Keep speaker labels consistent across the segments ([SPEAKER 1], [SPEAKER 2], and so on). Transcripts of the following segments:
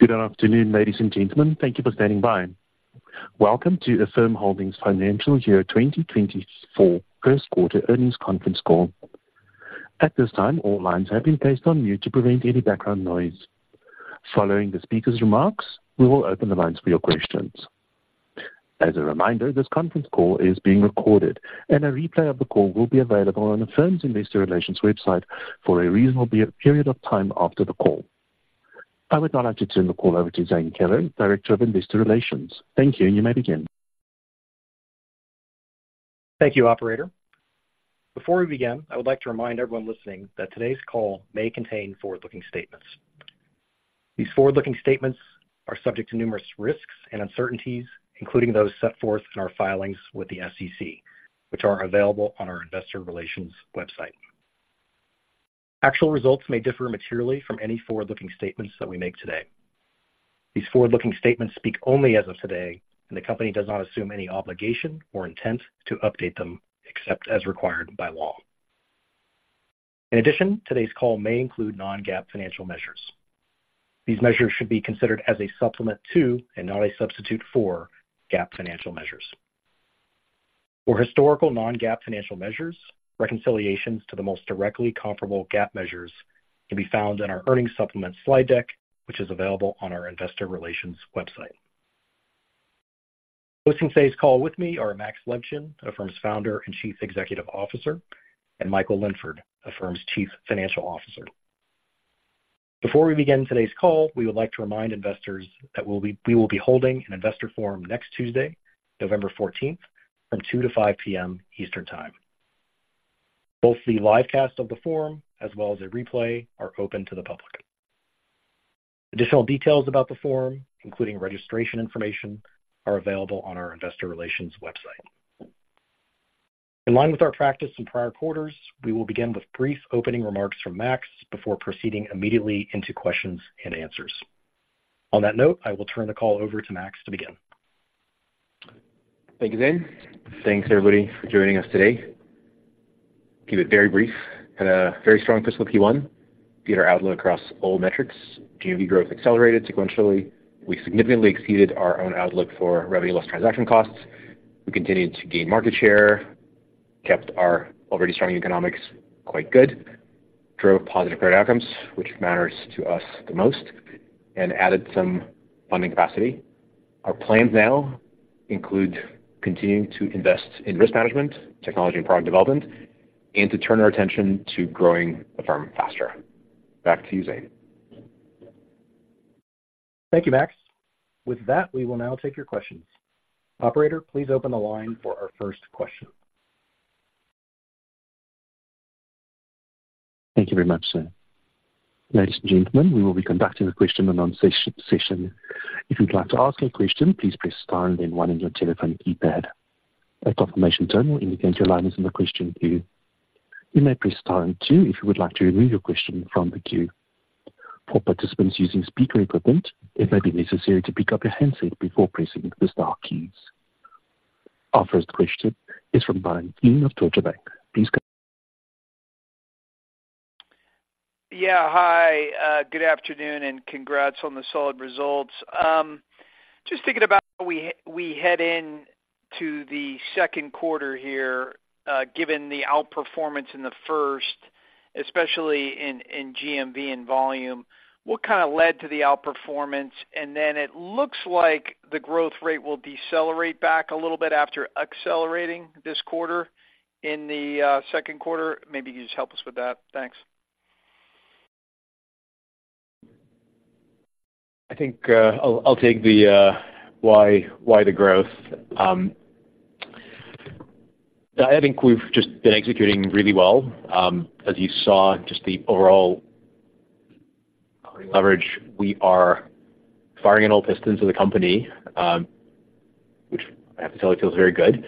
[SPEAKER 1] Good afternoon, ladies and gentlemen. Thank you for standing by. Welcome to Affirm Holdings Financial Year 2024 First Quarter Earnings Conference Call. At this time, all lines have been placed on mute to prevent any background noise. Following the speaker's remarks, we will open the lines for your questions. As a reminder, this conference call is being recorded, and a replay of the call will be available on Affirm's investor relations website for a reasonable period of time after the call. I would now like to turn the call over to Zane Keller, Director of Investor Relations. Thank you. You may begin.
[SPEAKER 2] Thank you, operator. Before we begin, I would like to remind everyone listening that today's call may contain forward-looking statements. These forward-looking statements are subject to numerous risks and uncertainties, including those set forth in our filings with the SEC, which are available on our investor relations website. Actual results may differ materially from any forward-looking statements that we make today. These forward-looking statements speak only as of today, and the company does not assume any obligation or intent to update them, except as required by law. In addition, today's call may include non-GAAP financial measures. These measures should be considered as a supplement to, and not a substitute for, GAAP financial measures. For historical non-GAAP financial measures, reconciliations to the most directly comparable GAAP measures can be found in our earnings supplement slide deck, which is available on our investor relations website. Hosting today's call with me are Max Levchin, Affirm's founder and Chief Executive Officer, and Michael Linford, Affirm's Chief Financial Officer. Before we begin today's call, we would like to remind investors that we will be holding an investor forum next Tuesday, November 14, from 2 to 5 P.M. Eastern Time. Both the live cast of the forum, as well as a replay, are open to the public. Additional details about the forum, including registration information, are available on our investor relations website. In line with our practice in prior quarters, we will begin with brief opening remarks from Max before proceeding immediately into questions and answers. On that note, I will turn the call over to Max to begin.
[SPEAKER 3] Thank you, Zane. Thanks, everybody, for joining us today. Keep it very brief. Had a very strong fiscal Q1. Beat our outlook across all metrics. GMV growth accelerated sequentially. We significantly exceeded our own outlook for revenue less transaction costs. We continued to gain market share, kept our already strong economics quite good, drove positive credit outcomes, which matters to us the most, and added some funding capacity. Our plans now include continuing to invest in risk management, technology, and product development, and to turn our attention to growing Affirm faster. Back to you, Zane.
[SPEAKER 2] Thank you, Max. With that, we will now take your questions. Operator, please open the line for our first question.
[SPEAKER 1] Thank you very much, sir. Ladies and gentlemen, we will be conducting a question and answer session. If you'd like to ask a question, please press star then one on your telephone keypad. A confirmation tone will indicate your line is in the question queue. You may press star and two if you would like to remove your question from the queue. For participants using speaker equipment, it may be necessary to pick up your handset before pressing the star keys. Our first question is from Brian Keane of Deutsche Bank. Please go-
[SPEAKER 4] Yeah, hi, good afternoon, and congrats on the solid results. Just thinking about as we head into the second quarter here, given the outperformance in the first, especially in GMV and volume, what kind of led to the outperformance? And then it looks like the growth rate will decelerate back a little bit after accelerating this quarter, in the second quarter. Maybe you can just help us with that. Thanks.
[SPEAKER 3] I think I'll take the why the growth. I think we've just been executing really well. As you saw, just the overall leverage. We are firing on all pistons of the company, which I have to tell you, feels very good.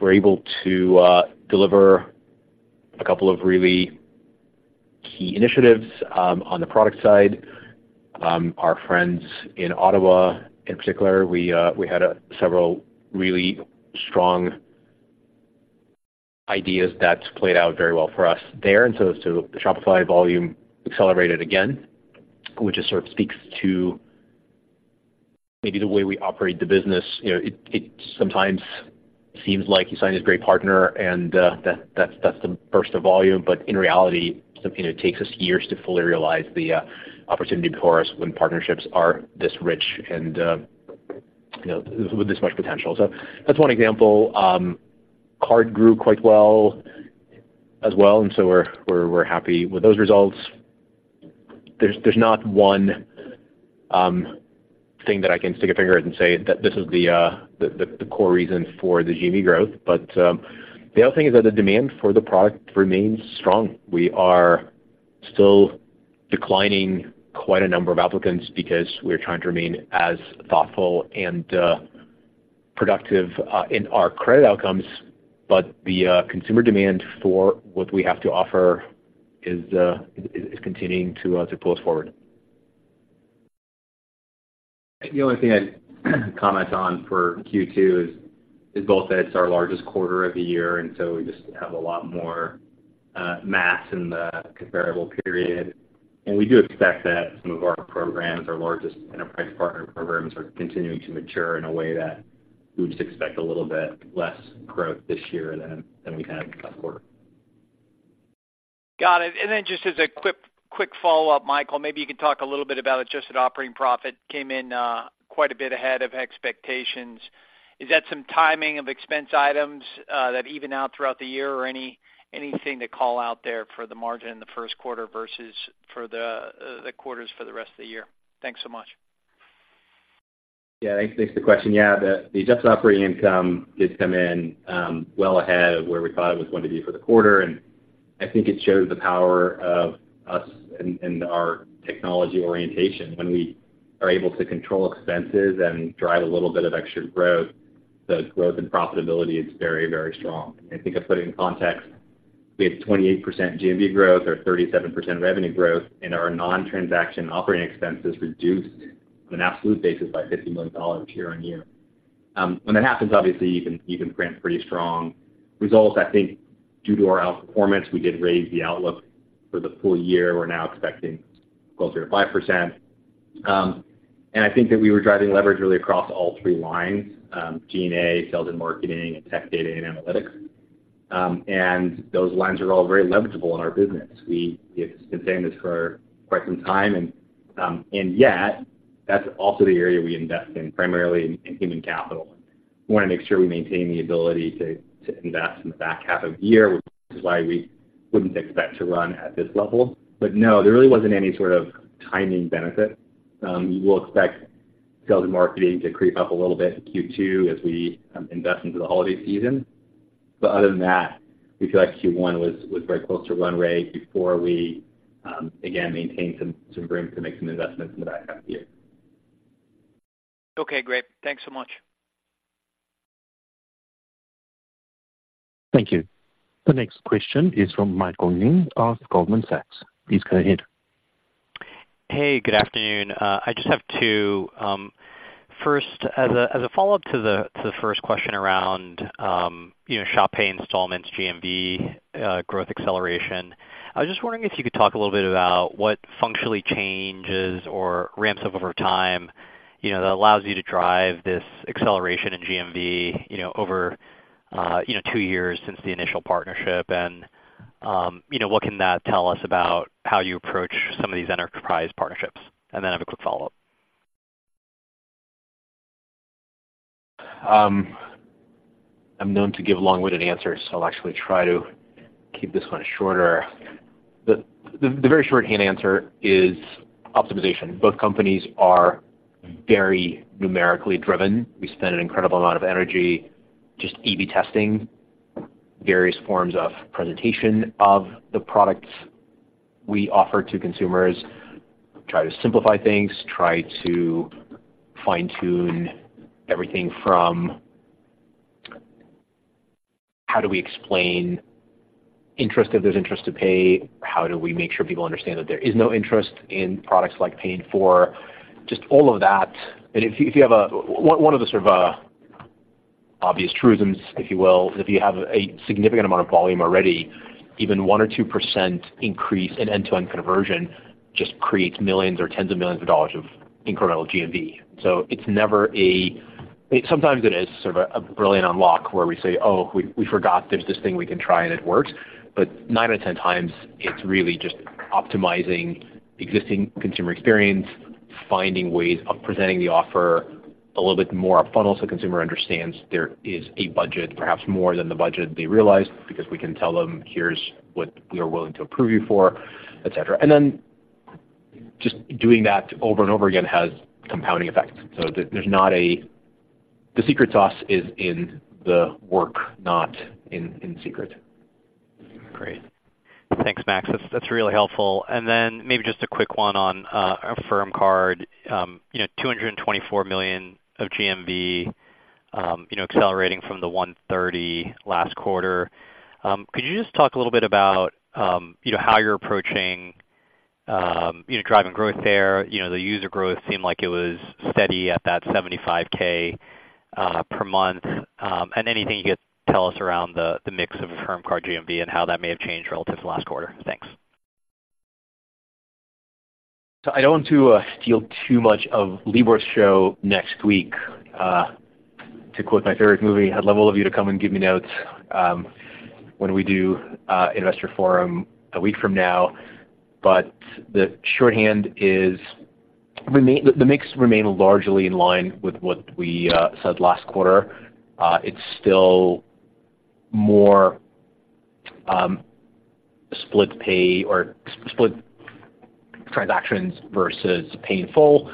[SPEAKER 3] We're able to deliver a couple of really key initiatives on the product side. Our friends in Ottawa in particular, we had several really strong ideas that's played out very well for us there. And so the Shopify volume accelerated again, which just sort of speaks to maybe the way we operate the business. You know, it sometimes seems like you sign this great partner and that that's the burst of volume. In reality, you know, it takes us years to fully realize the opportunity before us when partnerships are this rich and, you know, with this much potential. So that's one example. Card grew quite well as well, and so we're happy with those results. There's not one thing that I can stick a finger at and say that this is the core reason for the GMV growth. But the other thing is that the demand for the product remains strong. We are still declining quite a number of applicants because we're trying to remain as thoughtful and productive in our credit outcomes, but the consumer demand for what we have to offer is continuing to pull us forward.
[SPEAKER 5] The only thing I'd comment on for Q2 is both that it's our largest quarter of the year, and so we just have a lot more mass in the comparable period. And we do expect that some of our programs, our largest enterprise partner programs, are continuing to mature in a way that we just expect a little bit less growth this year than we had last quarter.
[SPEAKER 4] Got it. And then just as a quick, quick follow-up, Michael, maybe you can talk a little bit about adjusted operating profit came in quite a bit ahead of expectations. Is that some timing of expense items that even out throughout the year, or anything to call out there for the margin in the first quarter versus for the quarters for the rest of the year? Thanks so much.
[SPEAKER 5] Yeah, thanks for the question. Yeah, the adjusted operating income did come in well ahead of where we thought it was going to be for the quarter, and I think it shows the power of us and our technology orientation. When we are able to control expenses and drive a little bit of extra growth, the growth and profitability is very, very strong. I think I put it in context. We have 28% GMV growth, or 37% revenue growth, and our non-transaction operating expenses reduced on an absolute basis by $50 million year-on-year. When that happens, obviously, you can grant pretty strong results. I think due to our outperformance, we did raise the outlook for the full year. We're now expecting closer to 5%. And I think that we were driving leverage really across all three lines, G&A, sales and marketing, and tech data and analytics. And those lines are all very leveragable in our business. We've been saying this for quite some time, and, and yet, that's also the area we invest in, primarily in human capital. We wanna make sure we maintain the ability to invest in the back half of the year, which is why we wouldn't expect to run at this level. But no, there really wasn't any sort of timing benefit. We'll expect sales and marketing to creep up a little bit in Q2 as we invest into the holiday season. But other than that, we feel like Q1 was very close to run rate before we, again, maintained some room to make some investments in the back half of the year.
[SPEAKER 4] Okay, great. Thanks so much.
[SPEAKER 1] Thank you. The next question is from Michael Ng of Goldman Sachs. Please go ahead.
[SPEAKER 6] Hey, good afternoon. I just have to first, as a follow-up to the first question around, you know, Shop Pay Installments, GMV, growth acceleration. I was just wondering if you could talk a little bit about what functionally changes or ramps up over time, you know, that allows you to drive this acceleration in GMV, you know, over, you know, two years since the initial partnership, and, you know, what can that tell us about how you approach some of these enterprise partnerships? And then I have a quick follow-up.
[SPEAKER 3] I'm known to give long-winded answers, so I'll actually try to keep this one shorter. The very shorthand answer is optimization. Both companies are very numerically driven. We spend an incredible amount of energy just A/B testing various forms of presentation of the products we offer to consumers, try to simplify things, try to fine-tune everything from how do we explain interest, if there's interest to pay? How do we make sure people understand that there is no interest in products like Pay in 4. Just all of that. And if you have one of the sort of obvious truisms, if you will, is if you have a significant amount of volume already, even 1% or 2% increase in end-to-end conversion just creates millions or tens of millions of dollars of incremental GMV. So it's never. Sometimes it is sort of a brilliant unlock where we say: Oh, we forgot there's this thing we can try, and it works. But nine out of 10 times, it's really just optimizing existing consumer experience, finding ways of presenting the offer a little bit more up front so the consumer understands there is a budget, perhaps more than the budget they realized, because we can tell them, "Here's what we are willing to approve you for," et cetera. And then just doing that over and over again has compounding effects. There's not a... The secret sauce is in the work, not in secret.
[SPEAKER 6] Great. Thanks, Max. That's, that's really helpful. Then maybe just a quick one on Affirm Card. You know, $224 million of GMV, you know, accelerating from the $130 million last quarter. Could you just talk a little bit about, you know, how you're approaching, you know, driving growth there? You know, the user growth seemed like it was steady at that 75,000 per month. And anything you could tell us around the, the mix of Affirm Card GMV and how that may have changed relative to last quarter? Thanks.
[SPEAKER 3] So I don't want to steal too much of Libor's show next week, to quote my favorite movie: I'd love all of you to come and give me notes when we do Investor Forum a week from now. But the shorthand is the mix remains largely in line with what we said last quarter. It's still more split pay or split transactions versus Pay in Full.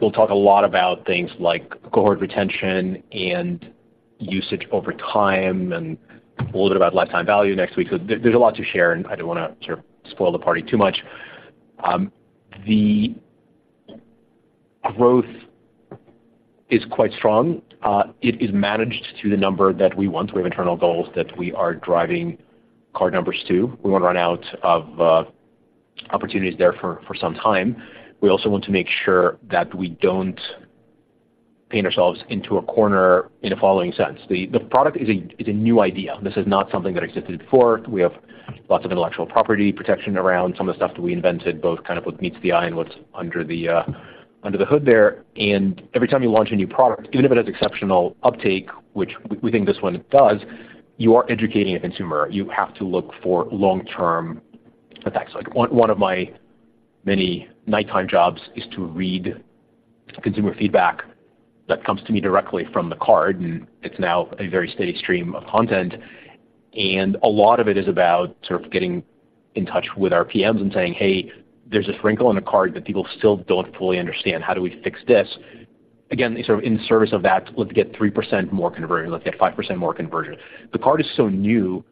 [SPEAKER 3] We'll talk a lot about things like cohort retention and usage over time, and a little bit about lifetime value next week. So there's a lot to share, and I don't wanna sort of spoil the party too much. The growth is quite strong. It is managed to the number that we want. We have internal goals that we are driving card numbers to. We won't run out of opportunities there for some time. We also want to make sure that we don't paint ourselves into a corner in the following sense: the product is a new idea. This is not something that existed before. We have lots of intellectual property protection around some of the stuff that we invented, both kind of what meets the eye and what's under the hood there. And every time you launch a new product, even if it has exceptional uptake, which we think this one does, you are educating a consumer. You have to look for long-term effects. Like, one of my many nighttime jobs is to read consumer feedback that comes to me directly from the card, and it's now a very steady stream of content. A lot of it is about sort of getting in touch with our PMs and saying, "Hey, there's a wrinkle in the card that people still don't fully understand. How do we fix this?" Again, so in service of that, let's get 3% more conversion. Let's get 5% more conversion. The card is so new,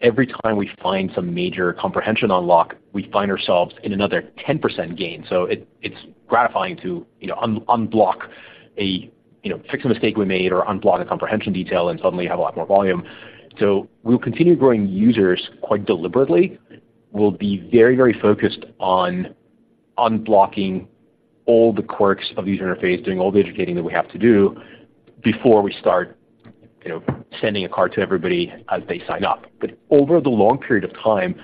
[SPEAKER 3] every time we find some major comprehension unlock, we find ourselves in another 10% gain. So it's gratifying to, you know, unblock a, you know, fix a mistake we made or unblock a comprehension detail, and suddenly you have a lot more volume. So we'll continue growing users quite deliberately. We'll be very, very focused on unblocking all the quirks of user interface, doing all the educating that we have to do before we start, you know, sending a card to everybody as they sign up. But over the long period of time,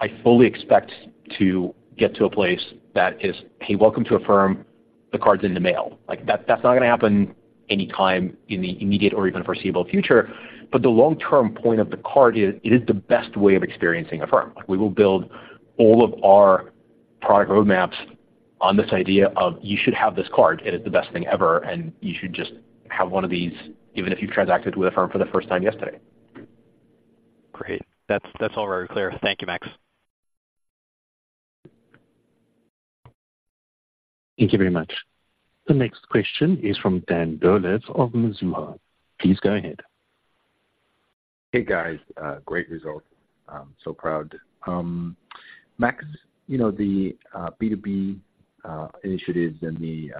[SPEAKER 3] I fully expect to get to a place that is, "Hey, welcome to Affirm. The card's in the mail." Like, that, that's not going to happen anytime in the immediate or even foreseeable future, but the long-term point of the card is, it is the best way of experiencing Affirm. We will build all of our product roadmaps on this idea of you should have this card, it is the best thing ever, and you should just have one of these, even if you've transacted with Affirm for the first time yesterday.
[SPEAKER 6] Great. That's, that's all very clear. Thank you, Max.
[SPEAKER 1] Thank you very much. The next question is from Dan Dolev of Mizuho. Please go ahead.
[SPEAKER 7] Hey, guys, great result. I'm so proud. Max, you know, the B2B initiatives and the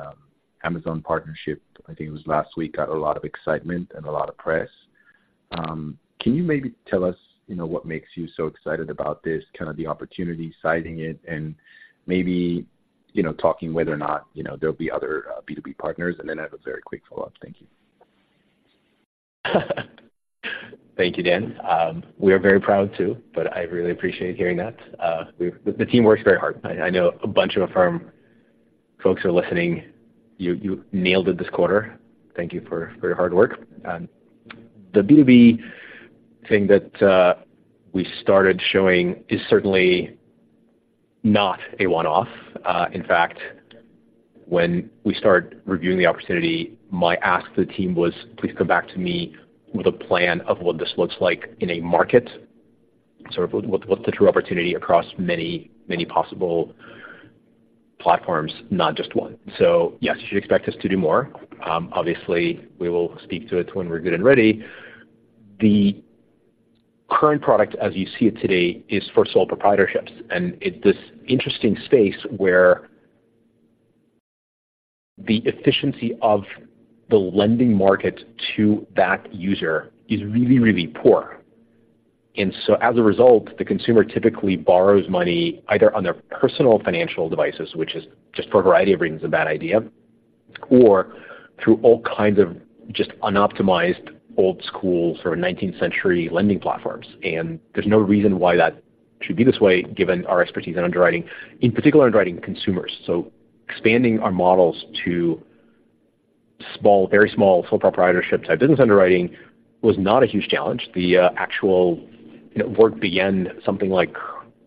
[SPEAKER 7] Amazon partnership, I think it was last week, got a lot of excitement and a lot of press. Can you maybe tell us, you know, what makes you so excited about this, kind of the opportunity citing it, and maybe, you know, talking whether or not, you know, there'll be other B2B partners? And then I have a very quick follow-up. Thank you.
[SPEAKER 3] Thank you, Dan. We are very proud, too, but I really appreciate hearing that. We, the team works very hard. I know a bunch of Affirm folks are listening. You nailed it this quarter. Thank you for your hard work. The B2B thing that we started showing is certainly not a one-off. In fact, when we started reviewing the opportunity, my ask to the team was, "Please come back to me with a plan of what this looks like in a market, sort of what, what's the true opportunity across many, many possible platforms, not just one." So yes, you should expect us to do more. Obviously, we will speak to it when we're good and ready. The current product, as you see it today, is for sole proprietorships, and it's this interesting space where the efficiency of the lending market to that user is really, really poor. And so as a result, the consumer typically borrows money either on their personal financial devices, which is, just for a variety of reasons, a bad idea, or through all kinds of just unoptimized, old school, sort of 19th century lending platforms. And there's no reason why that should be this way, given our expertise in underwriting, in particular, underwriting consumers. So expanding our models to small-- very small sole proprietorships type business underwriting was not a huge challenge. The, actual, you know, work began something like,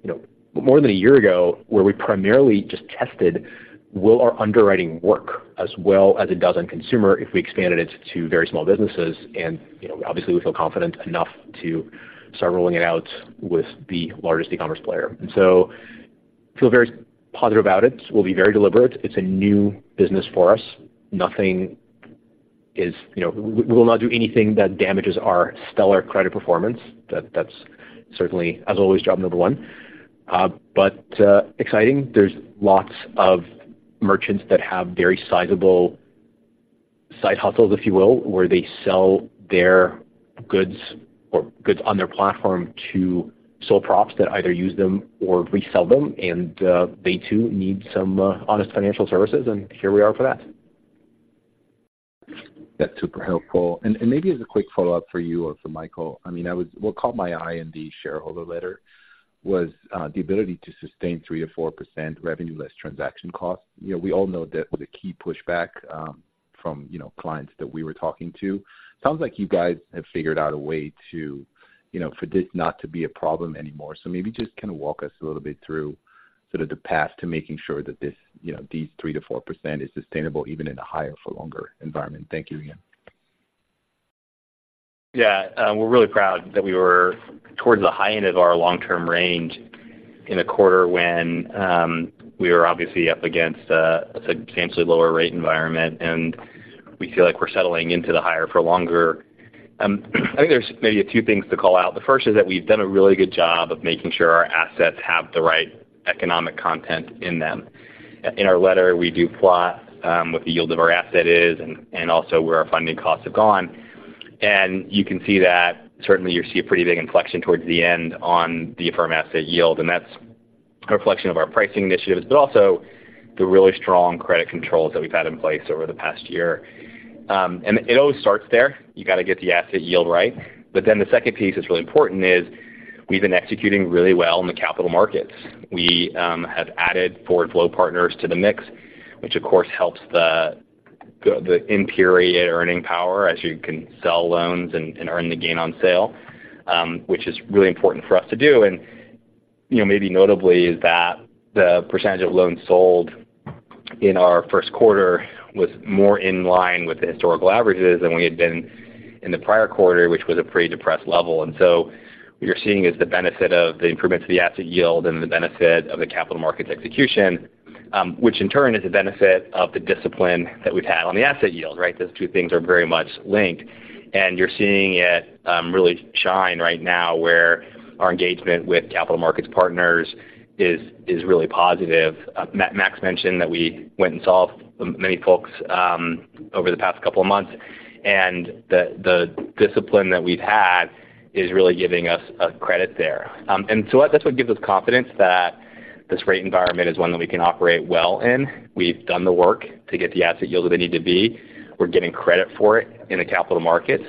[SPEAKER 3] you know, more than a year ago, where we primarily just tested, will our underwriting work as well as it does on consumer if we expanded it to very small businesses? You know, obviously, we feel confident enough to start rolling it out with the largest e-commerce player. So feel very positive about it. We'll be very deliberate. It's a new business for us. Nothing is... You know, we will not do anything that damages our stellar credit performance. That, that's certainly, as always, job number one. But exciting. There's lots of merchants that have very sizable side hustles, if you will, where they sell their goods or goods on their platform to sole props that either use them or resell them, and, they too need some, honest financial services, and here we are for that.
[SPEAKER 7] That's super helpful. And maybe as a quick follow-up for you or for Michael, I mean, what caught my eye in the shareholder letter was the ability to sustain 3%-4% revenue less transaction costs. You know, we all know that was a key pushback from, you know, clients that we were talking to. Sounds like you guys have figured out a way to, you know, for this not to be a problem anymore. So maybe just kind of walk us a little bit through sort of the path to making sure that this, you know, these 3%-4% is sustainable, even in a higher for longer environment. Thank you again.
[SPEAKER 5] Yeah, we're really proud that we were towards the high end of our long-term range in a quarter when we were obviously up against a substantially lower rate environment, and we feel like we're settling into the higher for longer. I think there's maybe a two things to call out. The first is that we've done a really good job of making sure our assets have the right economic content in them. In our letter, we do plot what the yield of our asset is and also where our funding costs have gone. And you can see that certainly you see a pretty big inflection towards the end on the Affirm asset yield, and that's a reflection of our pricing initiatives, but also the really strong credit controls that we've had in place over the past year. And it always starts there. You got to get the asset yield right. But then the second piece that's really important is we've been executing really well in the capital markets. We have added forward flow partners to the mix, which of course helps the in-period earning power as you can sell loans and earn the gain on sale, which is really important for us to do. And, you know, maybe notably is that the percentage of loans sold in our first quarter was more in line with the historical averages than we had been in the prior quarter, which was a pretty depressed level. And so what you're seeing is the benefit of the improvements to the asset yield and the benefit of the capital markets execution, which in turn is a benefit of the discipline that we've had on the asset yield, right? Those two things are very much linked, and you're seeing it really shine right now, where our engagement with capital markets partners is really positive. Max mentioned that we went and saw many folks over the past couple of months, and the discipline that we've had is really giving us a credit there. And so that's what gives us confidence that this rate environment is one that we can operate well in. We've done the work to get the asset yield where they need to be. We're getting credit for it in the capital markets.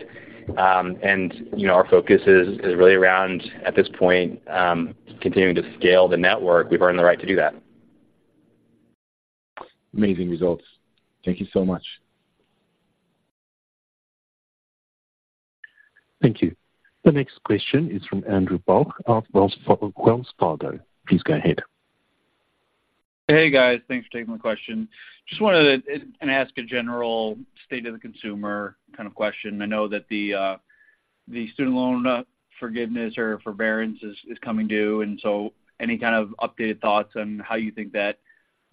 [SPEAKER 5] And, you know, our focus is really around, at this point, continuing to scale the network. We've earned the right to do that.
[SPEAKER 7] Amazing results. Thank you so much.
[SPEAKER 1] Thank you. The next question is from Andrew Bauch of Wells Fargo. Please go ahead.
[SPEAKER 8] Hey, guys. Thanks for taking my question. Just wanted to ask a general state of the consumer kind of question. I know that the student loan forgiveness or forbearance is coming due, and so any kind of updated thoughts on how you think that,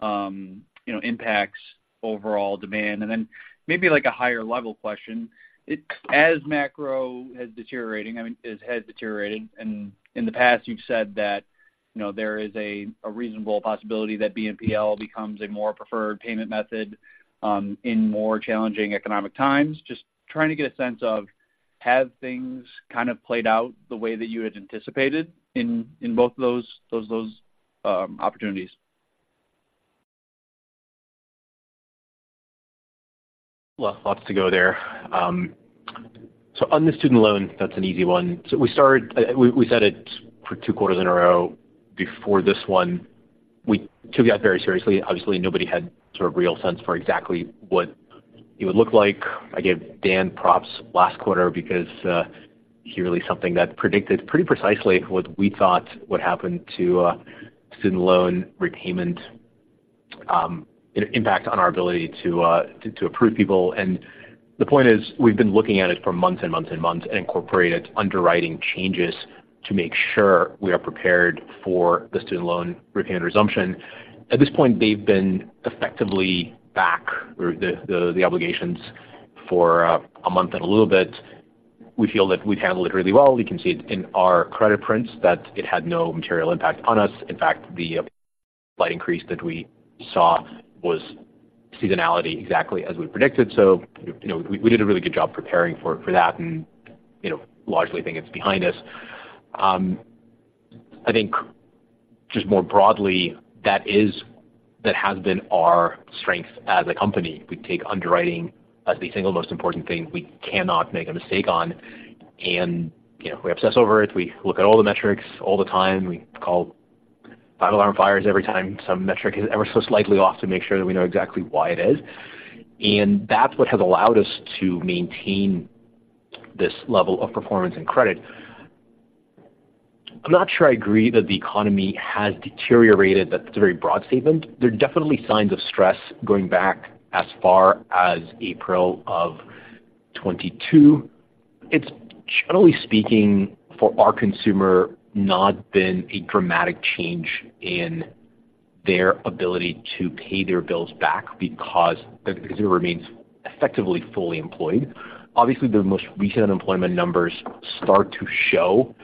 [SPEAKER 8] you know, impacts overall demand? And then maybe like a higher level question, it—as macro is deteriorating, I mean, it has deteriorated, and in the past, you've said that, you know, there is a reasonable possibility that BNPL becomes a more preferred payment method, in more challenging economic times. Just trying to get a sense of, have things kind of played out the way that you had anticipated in, both those opportunities?
[SPEAKER 3] Well, lots to go there. So on the student loan, that's an easy one. So we started. We said it for two quarters in a row before this one. We took it very seriously. Obviously, nobody had sort of real sense for exactly what it would look like. I gave Dan props last quarter because he released something that predicted pretty precisely what we thought would happen to student loan repayment impact on our ability to approve people. And the point is, we've been looking at it for months and months and months and incorporated underwriting changes to make sure we are prepared for the student loan repayment resumption. At this point, they've been effectively back, the obligations for a month and a little bit. We feel that we've handled it really well. We can see it in our credit prints that it had no material impact on us. In fact, the slight increase that we saw was seasonality exactly as we predicted. So, you know, we did a really good job preparing for that and, you know, largely I think it's behind us. I think just more broadly, that is, that has been our strength as a company. We take underwriting as the single most important thing we cannot make a mistake on, and, you know, we obsess over it. We look at all the metrics all the time. We call five-alarm fires every time some metric is ever so slightly off to make sure that we know exactly why it is, and that's what has allowed us to maintain this level of performance and credit. I'm not sure I agree that the economy has deteriorated. That's a very broad statement. There are definitely signs of stress going back as far as April 2022. It's generally speaking, for our consumer, not been a dramatic change in their ability to pay their bills back because the consumer remains effectively fully employed. Obviously, the most recent unemployment numbers start to show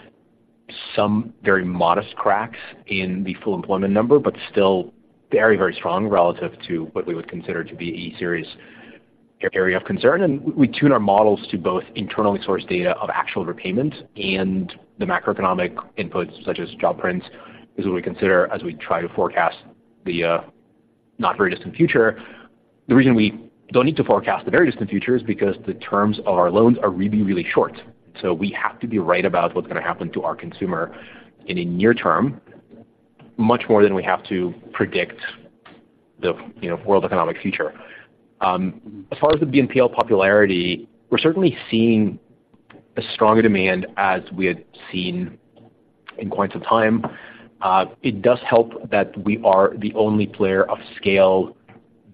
[SPEAKER 3] some very modest cracks in the full employment number, but still very, very strong relative to what we would consider to be a serious area of concern. And we tune our models to both internally sourced data of actual repayments and the macroeconomic inputs, such as job prints, is what we consider as we try to forecast the not very distant future. The reason we don't need to forecast the very distant future is because the terms of our loans are really, really short. So we have to be right about what's going to happen to our consumer in the near term, much more than we have to predict the, you know, world economic future. As far as the BNPL popularity, we're certainly seeing a stronger demand as we had seen in quite some time. It does help that we are the only player of scale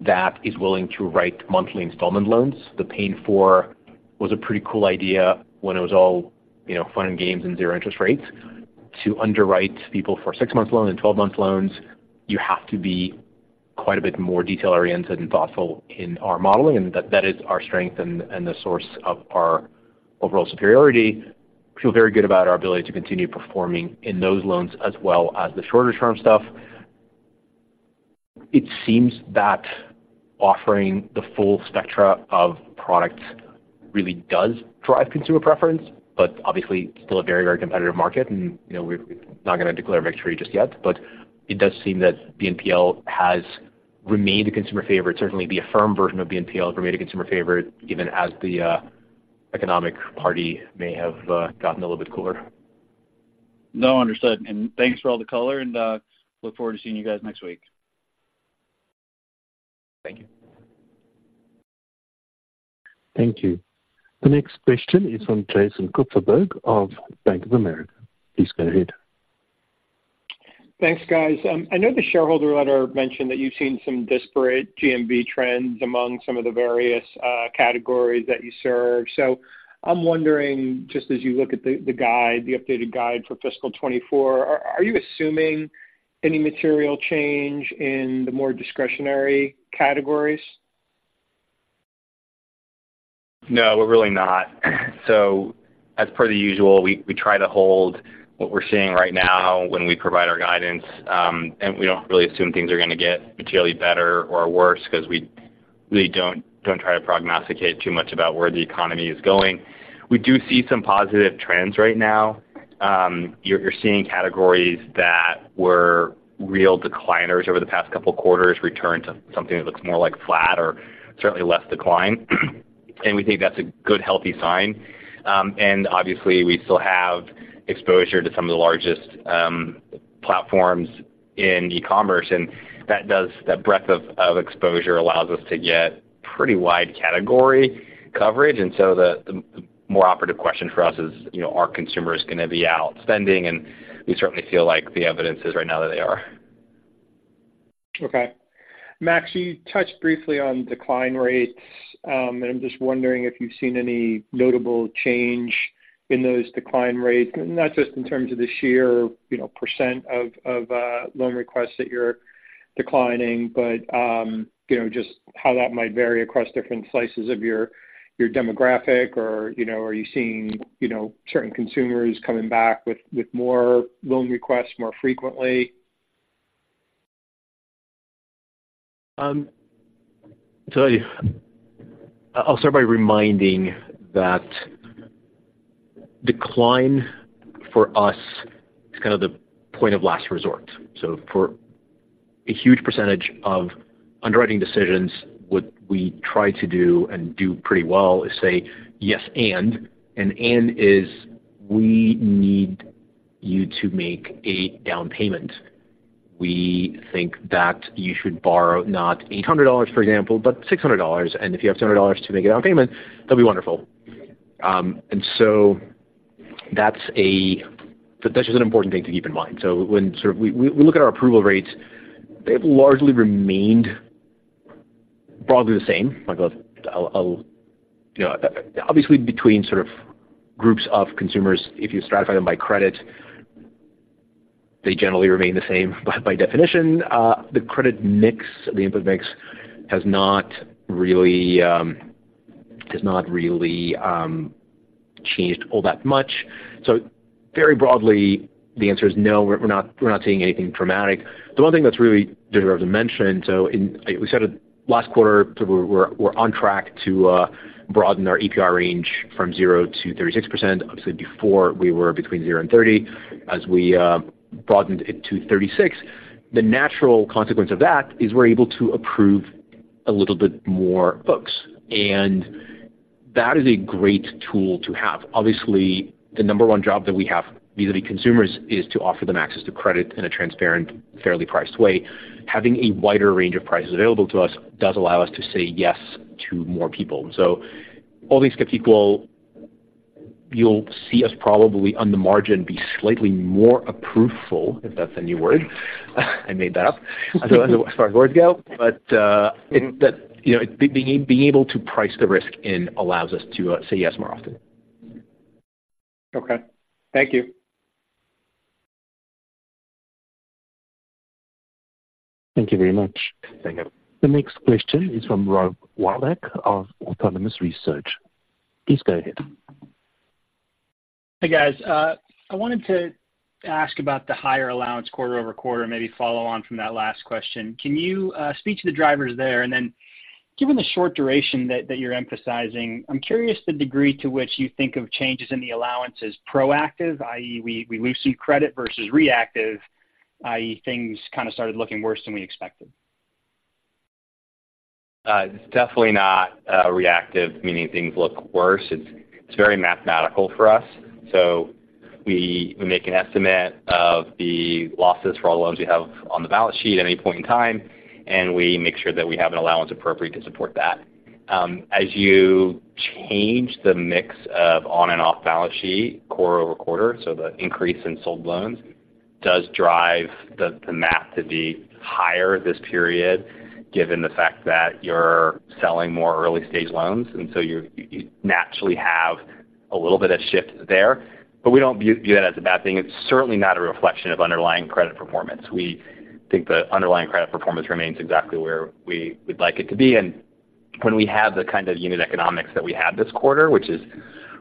[SPEAKER 3] that is willing to write monthly installment loans. The paying four was a pretty cool idea when it was all, you know, fun and games and zero interest rates. To underwrite people for six-month loan and 12-month loans, you have to be quite a bit more detail-oriented and thoughtful in our modeling, and that, that is our strength and, and the source of our overall superiority. Feel very good about our ability to continue performing in those loans as well as the shorter-term stuff. It seems that offering the full spectra of products really does drive consumer preference, but obviously still a very, very competitive market. And, you know, we're, we're not going to declare victory just yet, but it does seem that BNPL has remained a consumer favorite. Certainly, the Affirm version of BNPL has remained a consumer favorite, even as the economic party may have gotten a little bit cooler.
[SPEAKER 8] No, understood. And thanks for all the color, and look forward to seeing you guys next week.
[SPEAKER 3] Thank you.
[SPEAKER 1] Thank you. The next question is from Jason Kupferberg of Bank of America. Please go ahead.
[SPEAKER 9] Thanks, guys. I know the shareholder letter mentioned that you've seen some disparate GMV trends among some of the various categories that you serve. So I'm wondering, just as you look at the updated guide for fiscal 2024, are you assuming any material change in the more discretionary categories?
[SPEAKER 5] No, we're really not. So as per the usual, we try to hold what we're seeing right now when we provide our guidance, and we don't really assume things are going to get materially better or worse because we really don't try to prognosticate too much about where the economy is going. We do see some positive trends right now. You're seeing categories that were real decliners over the past couple of quarters return to something that looks more like flat or certainly less decline. And we think that's a good, healthy sign. And obviously, we still have exposure to some of the largest platforms in e-commerce, and that does, that breadth of exposure allows us to get pretty wide category coverage. And so the more operative question for us is, you know, are consumers going to be out spending? We certainly feel like the evidence is right now that they are.
[SPEAKER 9] Okay. Max, you touched briefly on decline rates. And I'm just wondering if you've seen any notable change in those decline rates, not just in terms of the sheer, you know, percent of, loan requests that you're declining, but, you know, just how that might vary across different slices of your demographic, or, you know, are you seeing, you know, certain consumers coming back with more loan requests more frequently?
[SPEAKER 3] So I'll start by reminding that decline for us is kind of the point of last resort. So for a huge percentage of underwriting decisions, what we try to do and do pretty well is say, "Yes, and..." And, and is we need you to make a down payment. We think that you should borrow not $800, for example, but $600. And if you have $200 to make a down payment, that'd be wonderful. And so that's just an important thing to keep in mind. So when sort of we look at our approval rates, they've largely remained broadly the same. Like, I'll, you know, obviously, between sort of groups of consumers, if you stratify them by credit, they generally remain the same. But by definition, the credit mix, the input mix, has not really changed all that much. So very broadly, the answer is no, we're, we're not, we're not seeing anything dramatic. The one thing that's really deserves mention, so we said it last quarter, so we're, we're on track to broaden our APR range from 0%-36%. Obviously, before we were between 0% and 30%. As we broadened it to 36%, the natural consequence of that is we're able to approve a little bit more folks, and that is a great tool to have. Obviously, the number one job that we have vis-a-vis consumers is to offer them access to credit in a transparent, fairly priced way. Having a wider range of prices available to us does allow us to say yes to more people. So all things get equal, you'll see us probably on the margin be slightly more approval, if that's a new word. I made that up, as far as words go. But that, you know, being able to price the risk in allows us to say yes more often.
[SPEAKER 9] Okay. Thank you.
[SPEAKER 1] Thank you very much.
[SPEAKER 5] Thank you.
[SPEAKER 1] The next question is from Rob Wildhack of Autonomous Research. Please go ahead.
[SPEAKER 10] Hey, guys. I wanted to ask about the higher allowance quarter-over-quarter, maybe follow on from that last question. Can you speak to the drivers there? And then, given the short duration that you're emphasizing, I'm curious the degree to which you think of changes in the allowance as proactive, i.e., we lose some credit versus reactive, i.e., things kind of started looking worse than we expected.
[SPEAKER 5] It's definitely not reactive, meaning things look worse. It's very mathematical for us. We make an estimate of the losses for all the loans we have on the balance sheet at any point in time, and we make sure that we have an allowance appropriate to support that. As you change the mix of on and off balance sheet quarter over quarter, the increase in sold loans does drive the math to be higher this period, given the fact that you're selling more early-stage loans, and so you naturally have a little bit of shift there. But we don't view that as a bad thing. It's certainly not a reflection of underlying credit performance. We think the underlying credit performance remains exactly where we would like it to be and- When we have the kind of unit economics that we had this quarter, which is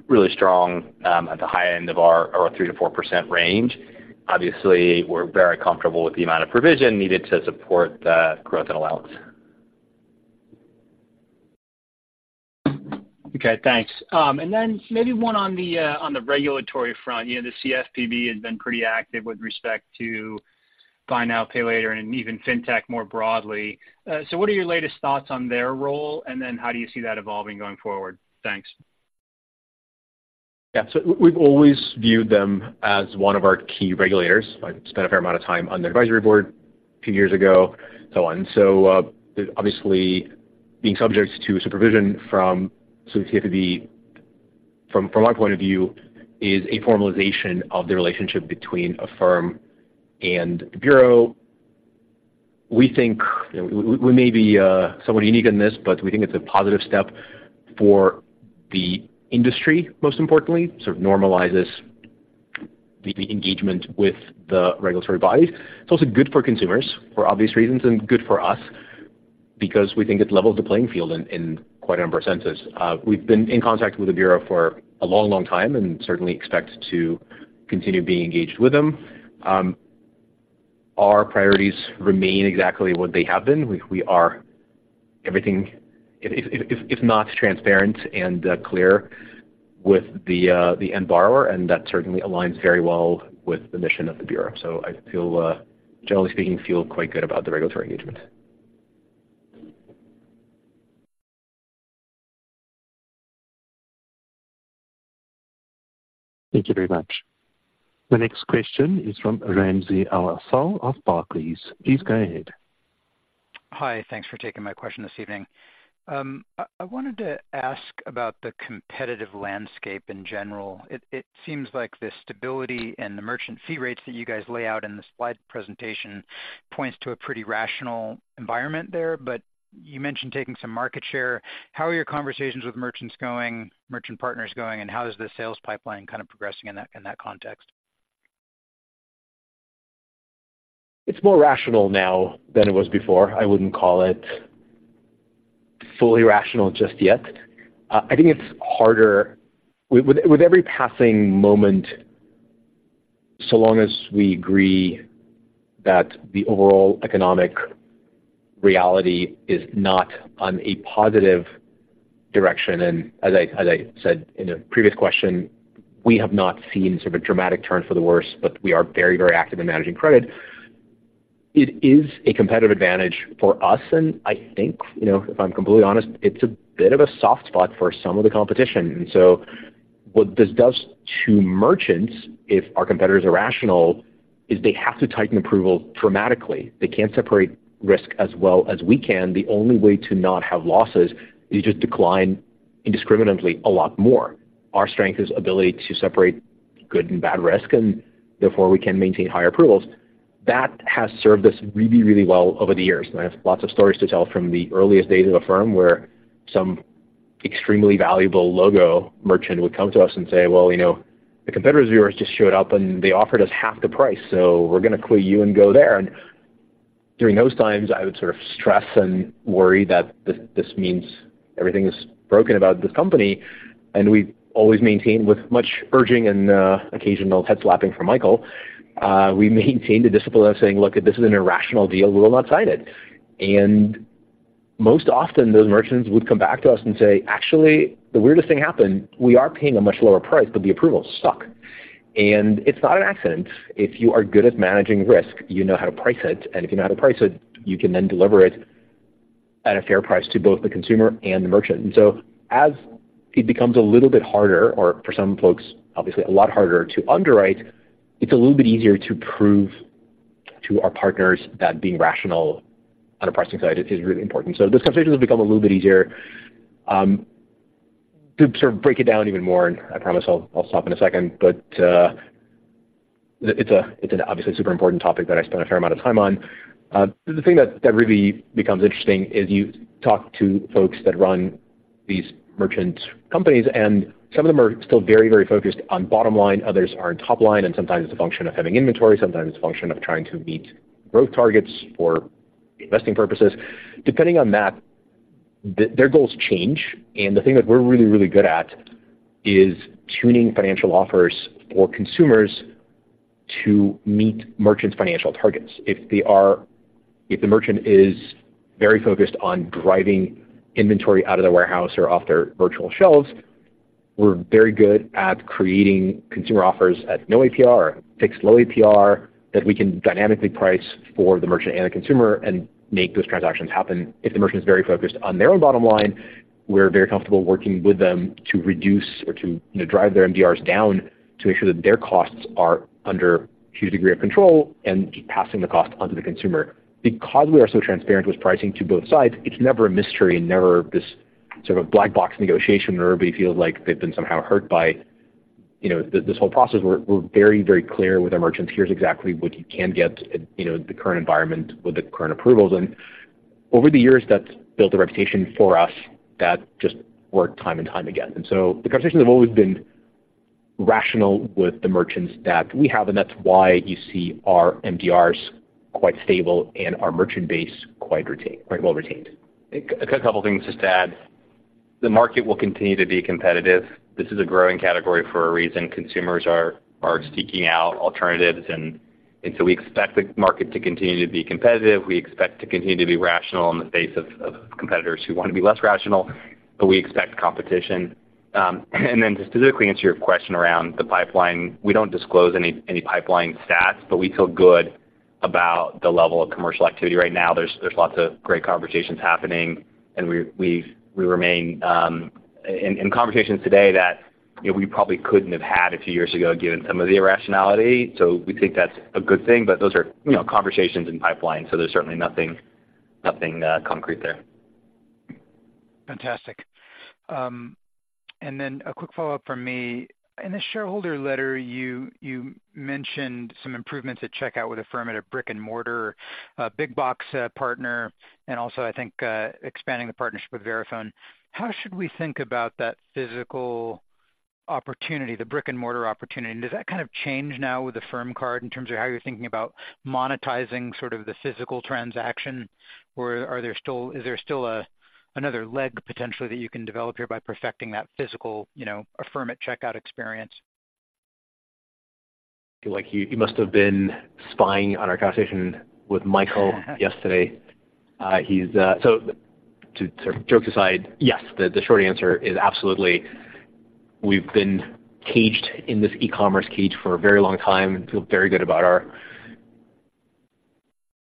[SPEAKER 5] really strong, at the high end of our 3%-4% range, obviously we're very comfortable with the amount of provision needed to support the growth and allowance.
[SPEAKER 10] Okay, thanks. Then maybe one on the regulatory front. You know, the CFPB has been pretty active with respect to buy now, pay later, and even Fintech more broadly. So what are your latest thoughts on their role, and then how do you see that evolving going forward? Thanks.
[SPEAKER 3] Yeah. So we've always viewed them as one of our key regulators. I spent a fair amount of time on their advisory board a few years ago, so on. So, obviously, being subject to supervision from CFPB, from our point of view, is a formalization of the relationship between a firm and the bureau. We think we may be somewhat unique in this, but we think it's a positive step for the industry, most importantly, sort of normalizes the engagement with the regulatory bodies. It's also good for consumers for obvious reasons, and good for us because we think it levels the playing field in quite a number of senses. We've been in contact with the bureau for a long, long time and certainly expect to continue being engaged with them. Our priorities remain exactly what they have been. We are everything if not transparent and clear with the end borrower, and that certainly aligns very well with the mission of the bureau. So I feel, generally speaking, quite good about the regulatory engagement.
[SPEAKER 1] Thank you very much. The next question is from Ramsey El-Assal of Barclays. Please go ahead.
[SPEAKER 11] Hi, thanks for taking my question this evening. I wanted to ask about the competitive landscape in general. It seems like the stability and the merchant fee rates that you guys lay out in the slide presentation points to a pretty rational environment there, but you mentioned taking some market share. How are your conversations with merchants going, merchant partners going, and how is the sales pipeline kind of progressing in that context?
[SPEAKER 3] It's more rational now than it was before. I wouldn't call it fully rational just yet. I think it's harder with, with, with every passing moment, so long as we agree that the overall economic reality is not on a positive direction, and as I, as I said in a previous question, we have not seen sort of a dramatic turn for the worse, but we are very, very active in managing credit. It is a competitive advantage for us, and I think, you know, if I'm completely honest, it's a bit of a soft spot for some of the competition. And so what this does to merchants, if our competitors are rational, is they have to tighten approval dramatically. They can't separate risk as well as we can. The only way to not have losses is just decline indiscriminately a lot more. Our strength is ability to separate good and bad risk, and therefore we can maintain higher approvals. That has served us really, really well over the years. I have lots of stories to tell from the earliest days of the firm, where some extremely valuable logo merchant would come to us and say, "Well, you know, the competitors of yours just showed up, and they offered us half the price, so we're going to quit you and go there." During those times, I would sort of stress and worry that this means everything is broken about this company. We've always maintained, with much urging and, occasional head slapping from Michael, a discipline of saying, "Look, if this is an irrational deal, we will not sign it." Most often, those merchants would come back to us and say, "Actually, the weirdest thing happened. We are paying a much lower price, but the approvals suck." And it's not an accident. If you are good at managing risk, you know how to price it, and if you know how to price it, you can then deliver it at a fair price to both the consumer and the merchant. And so as it becomes a little bit harder, or for some folks, obviously a lot harder to underwrite, it's a little bit easier to prove to our partners that being rational on a pricing side is really important. So this conversation has become a little bit easier to sort of break it down even more, and I promise I'll stop in a second, but it's an obviously super important topic that I spent a fair amount of time on. The thing that really becomes interesting is you talk to folks that run these merchant companies, and some of them are still very, very focused on bottom line, others are on top line, and sometimes it's a function of having inventory, sometimes it's a function of trying to meet growth targets for investing purposes. Depending on that, their goals change, and the thing that we're really, really good at is tuning financial offers for consumers to meet merchants' financial targets. If the merchant is very focused on driving inventory out of their warehouse or off their virtual shelves, we're very good at creating consumer offers at no APR or fixed low APR, that we can dynamically price for the merchant and the consumer and make those transactions happen. If the merchant is very focused on their own bottom line, we're very comfortable working with them to reduce or to, you know, drive their MDRs down to ensure that their costs are under huge degree of control and passing the cost on to the consumer. Because we are so transparent with pricing to both sides, it's never a mystery and never this sort of black box negotiation where everybody feels like they've been somehow hurt by, you know, this whole process. We're, we're very, very clear with our merchants, here's exactly what you can get in, you know, the current environment with the current approvals. And over the years, that's built a reputation for us that just worked time and time again. And so the conversations have always been rational with the merchants that we have, and that's why you see our MDRs quite stable and our merchant base quite retained, quite well retained.
[SPEAKER 5] A couple things just to add. The market will continue to be competitive. This is a growing category for a reason. Consumers are seeking out alternatives, and so we expect the market to continue to be competitive. We expect to continue to be rational in the face of competitors who want to be less rational, but we expect competition. And then to specifically answer your question around the pipeline, we don't disclose any pipeline stats, but we feel good about the level of commercial activity right now. There's lots of great conversations happening, and we remain in conversations today that, you know, we probably couldn't have had a few years ago, given some of the irrationality. So we think that's a good thing. But those are, you know, conversations in pipeline, so there's certainly nothing concrete there.
[SPEAKER 11] Fantastic. And then a quick follow-up from me. In the shareholder letter, you mentioned some improvements at checkout with Affirm at a brick-and-mortar big box partner, and also, I think, expanding the partnership with Verifone. How should we think about that physical opportunity, the brick-and-mortar opportunity? And does that kind of change now with the Affirm card in terms of how you're thinking about monetizing sort of the physical transaction, or are there still—is there still another leg, potentially, that you can develop here by perfecting that physical, you know, Affirm at checkout experience?
[SPEAKER 3] Feel like you must have been spying on our conversation with Michael yesterday. He's jokes aside, yes, the short answer is absolutely. We've been caged in this e-commerce cage for a very long time, and feel very good about our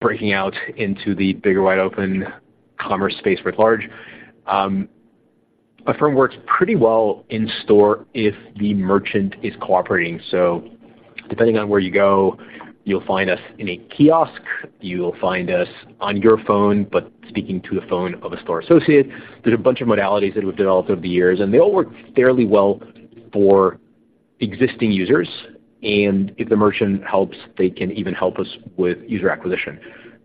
[SPEAKER 3] breaking out into the bigger, wide-open commerce space writ large. Affirm works pretty well in store if the merchant is cooperating. So depending on where you go, you'll find us in a kiosk. You'll find us on your phone, but speaking to the phone of a store associate. There's a bunch of modalities that we've developed over the years, and they all work fairly well for existing users, and if the merchant helps, they can even help us with user acquisition.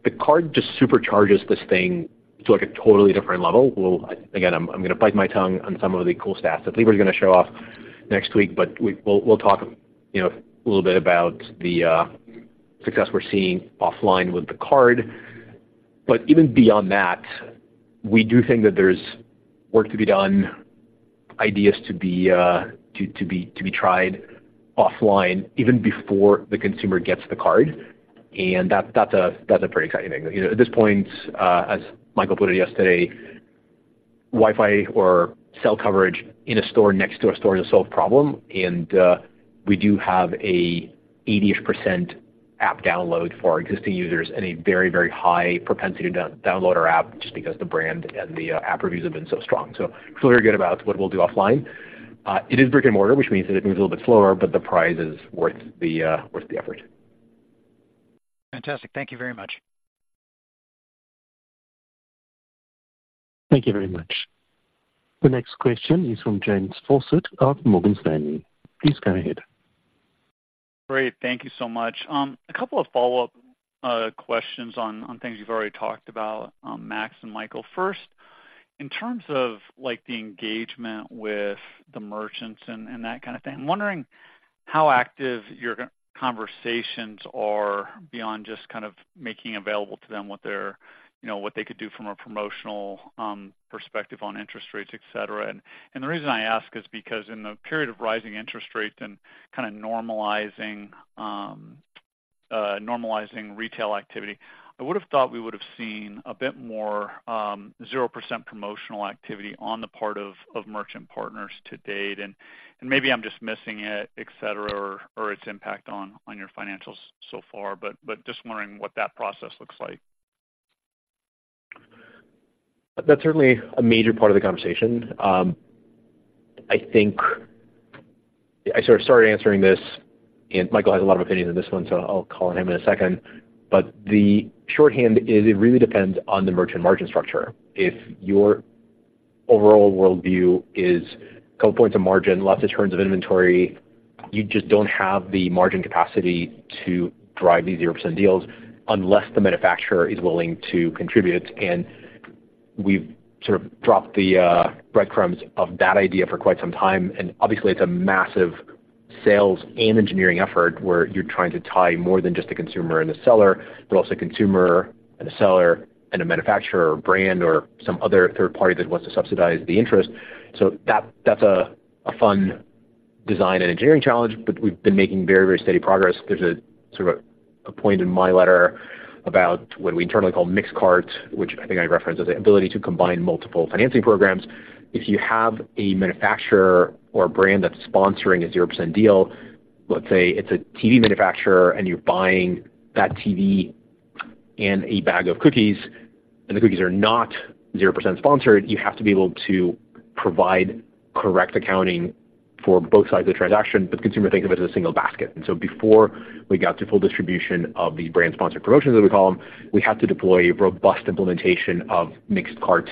[SPEAKER 3] The card just supercharges this thing to, like, a totally different level. Well, again, I'm going to bite my tongue on some of the cool stuff that people are going to show off next week, but we'll talk, you know, a little bit about the success we're seeing offline with the card. But even beyond that, we do think that there's work to be done, ideas to be tried offline even before the consumer gets the card. And that's a pretty exciting thing. You know, at this point, as Michael put it yesterday, Wi-Fi or cell coverage in a store, next to a store is a solved problem, and we do have a 80%-ish app download for our existing users and a very, very high propensity to download our app just because the brand and the app reviews have been so strong. So feel very good about what we'll do offline. It is brick-and-mortar, which means that it moves a little bit slower, but the prize is worth the, worth the effort.
[SPEAKER 11] Fantastic. Thank you very much.
[SPEAKER 1] Thank you very much. The next question is from James Faucette of Morgan Stanley. Please go ahead.
[SPEAKER 12] Great. Thank you so much. A couple of follow-up questions on things you've already talked about, Max and Michael. First, in terms of, like, the engagement with the merchants and that kind of thing, I'm wondering how active your conversations are beyond just kind of making available to them what they're, you know, what they could do from a promotional perspective on interest rates, et cetera. The reason I ask is because in the period of rising interest rates and kind of normalizing retail activity, I would have thought we would have seen a bit more 0% promotional activity on the part of merchant partners to date, and maybe I'm just missing it, et cetera, or its impact on your financials so far, but just wondering what that process looks like.
[SPEAKER 3] That's certainly a major part of the conversation. I think I sort of started answering this, and Michael has a lot of opinions on this one, so I'll call on him in a second. But the shorthand is it really depends on the merchant margin structure. If your overall worldview is 12 points of margin, lots of terms of inventory, you just don't have the margin capacity to drive these zero percent deals unless the manufacturer is willing to contribute. And we've sort of dropped the breadcrumbs of that idea for quite some time, and obviously, it's a massive sales and engineering effort where you're trying to tie more than just the consumer and the seller, but also consumer and the seller and a manufacturer or brand or some other third party that wants to subsidize the interest. So that, that's a fun design and engineering challenge, but we've been making very, very steady progress. There's sort of a point in my letter about what we internally call mixed cart, which I think I referenced, as the ability to combine multiple financing programs. If you have a manufacturer or brand that's sponsoring a 0% deal, let's say it's a TV manufacturer, and you're buying that TV and a bag of cookies, and the cookies are not 0% sponsored, you have to be able to provide correct accounting for both sides of the transaction, but the consumer thinks of it as a single basket. And so before we got to full distribution of the brand sponsored promotions, as we call them, we had to deploy robust implementation of mixed cart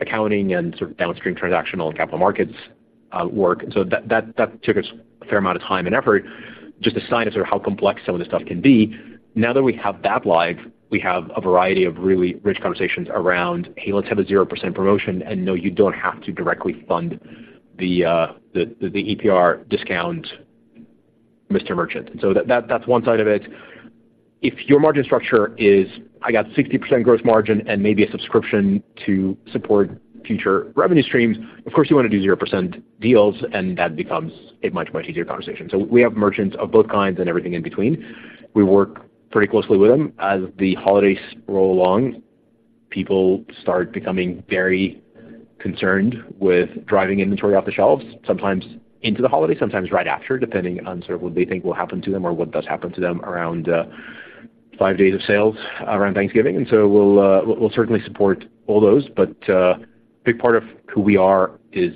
[SPEAKER 3] accounting and sort of downstream transactional capital markets, work. So that took us a fair amount of time and effort... just a sign of sort of how complex some of this stuff can be. Now that we have that live, we have a variety of really rich conversations around, "Hey, let's have a 0% promotion," and, no, you don't have to directly fund the APR discount, So that's one side of it. If your margin structure is, I got 60% growth margin and maybe a subscription to support future revenue streams, of course, you want to do 0% deals, and that becomes a much, much easier conversation. So we have merchants of both kinds and everything in between. We work pretty closely with them. As the holidays roll along, people start becoming very concerned with driving inventory off the shelves, sometimes into the holiday, sometimes right after, depending on sort of what they think will happen to them or what does happen to them around five days of sales around Thanksgiving. And so we'll certainly support all those. But a big part of who we are is,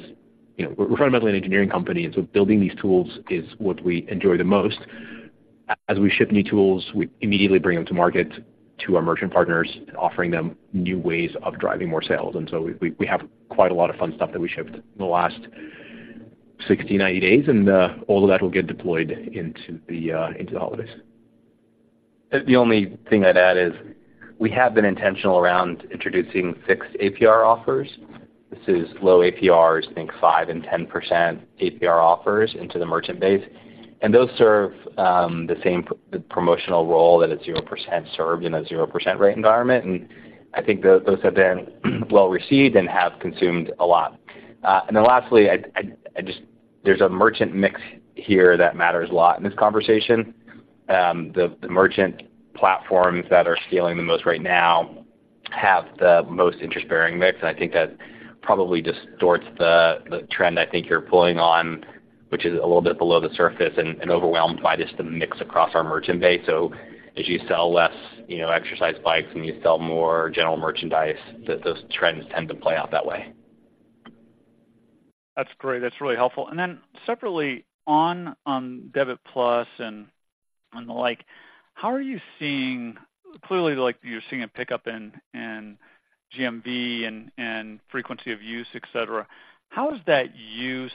[SPEAKER 3] you know, we're fundamentally an engineering company, and so building these tools is what we enjoy the most. As we ship new tools, we immediately bring them to market to our merchant partners, offering them new ways of driving more sales. And so we have quite a lot of fun stuff that we shipped in the last 60, 90 days, and all of that will get deployed into the holidays.
[SPEAKER 5] The only thing I'd add is we have been intentional around introducing fixed APR offers. This is low APRs, think 5% and 10% APR offers into the merchant base. Those serve the same promotional role that a 0% served in a 0% rate environment. I think those have been well received and have consumed a lot. Then lastly, I just, there's a merchant mix here that matters a lot in this conversation. The merchant platforms that are scaling the most right now have the most interest-bearing mix, and I think that probably distorts the trend I think you're pulling on, which is a little bit below the surface and overwhelmed by just the mix across our merchant base. As you sell less, you know, exercise bikes, and you sell more general merchandise, those trends tend to play out that way.
[SPEAKER 12] That's great. That's really helpful. And then separately, on Debi+ and the like, how are you seeing... Clearly, like, you're seeing a pickup in GMV and frequency of use, et cetera. How is that use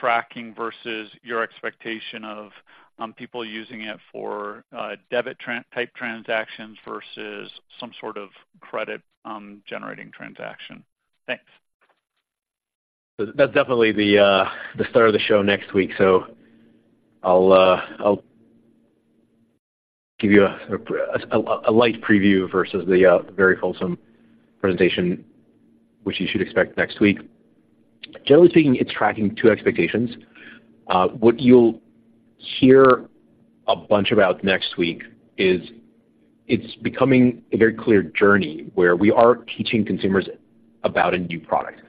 [SPEAKER 12] tracking versus your expectation of people using it for debit type transactions versus some sort of credit generating transaction? Thanks.
[SPEAKER 3] That's definitely the star of the show next week. So I'll give you a light preview versus the very wholesome presentation, which you should expect next week. Generally speaking, it's tracking to expectations. What you'll hear a bunch about next week is it's becoming a very clear journey where we are teaching consumers about a new product.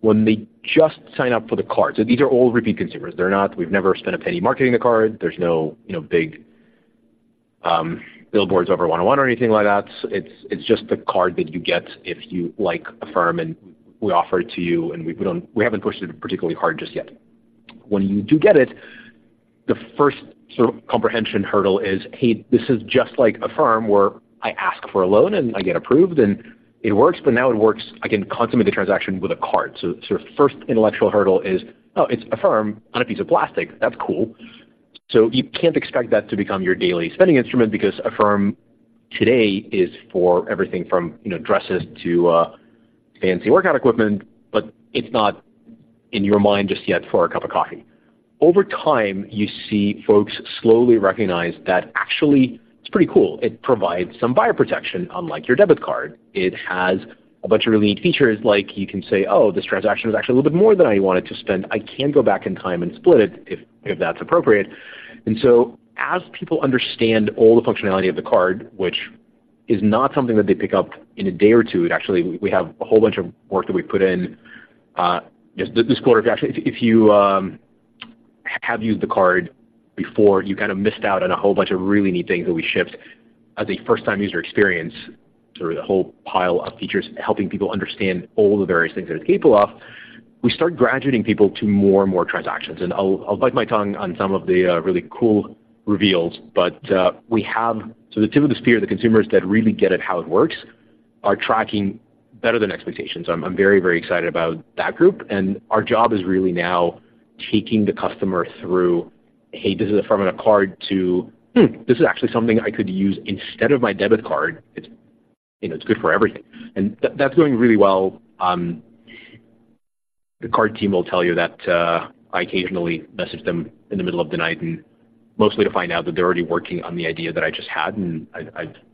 [SPEAKER 3] When they just sign up for the card, so these are all repeat consumers, they're not-- we've never spent a penny marketing the card. There's no, you know, big billboards over 101 or anything like that. It's just the card that you get if you like Affirm, and we offer it to you, and we don't-- we haven't pushed it particularly hard just yet. When you do get it, the first sort of comprehension hurdle is, hey, this is just like Affirm, where I ask for a loan, and I get approved, and it works, but now it works. I can consummate the transaction with a card. So sort of first intellectual hurdle is, "Oh, it's Affirm on a piece of plastic. That's cool." So you can't expect that to become your daily spending instrument, because Affirm today is for everything from, you know, dresses to, fancy workout equipment, but it's not in your mind just yet for a cup of coffee. Over time, you see folks slowly recognize that actually, it's pretty cool. It provides some buyer protection, unlike your debit card. It has a bunch of really neat features, like you can say, "Oh, this transaction was actually a little bit more than I wanted to spend. I can go back in time and split it, if, if that's appropriate." And so as people understand all the functionality of the card, which is not something that they pick up in a day or two, and actually, we have a whole bunch of work that we put in just this quarter. Actually, if you have used the card before, you kind of missed out on a whole bunch of really neat things that we shipped as a first-time user experience, sort of the whole pile of features, helping people understand all the various things that it's capable of. We start graduating people to more and more transactions, and I'll, I'll bite my tongue on some of the really cool reveals, but we have... So the tip of the spear, the consumers that really get it, how it works, are tracking better than expectations. I'm very excited about that group, and our job is really now taking the customer through, "Hey, this is Affirm Card," to, "Hmm, this is actually something I could use instead of my debit card. It's, you know, it's good for everything." And that's going really well. The card team will tell you that I occasionally message them in the middle of the night, and mostly to find out that they're already working on the idea that I just had. And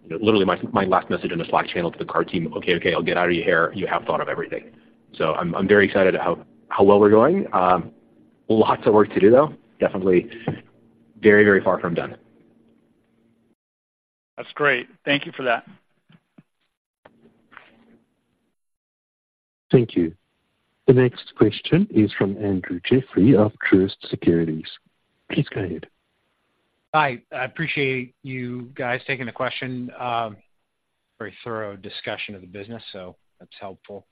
[SPEAKER 3] literally, my last message in the Slack channel to the card team, "Okay, okay, I'll get out of your hair. You have thought of everything." So I'm very excited at how well we're going. Lots of work to do, though. Definitely very far from done.
[SPEAKER 12] That's great. Thank you for that.
[SPEAKER 1] Thank you. The next question is from Andrew Jeffrey of Truist Securities. Please go ahead.
[SPEAKER 13] Hi. I appreciate you guys taking the question. Very thorough discussion of the business, so that's helpful.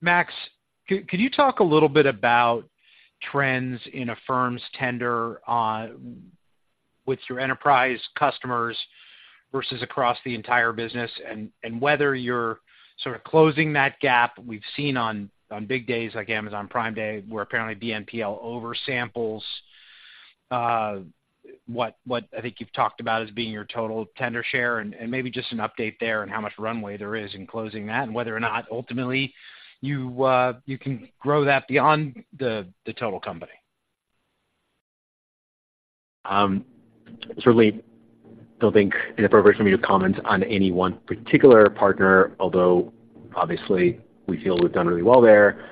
[SPEAKER 13] Max, could you talk a little bit about trends in Affirm's tender, with your enterprise customers versus across the entire business, and whether you're sort of closing that gap we've seen on big days, like Amazon Prime Day, where apparently BNPL oversamples what I think you've talked about as being your total tender share, and maybe just an update there on how much runway there is in closing that, and whether or not ultimately you can grow that beyond the total company?
[SPEAKER 3] Certainly don't think inappropriate for me to comment on any one particular partner, although obviously we feel we've done really well there.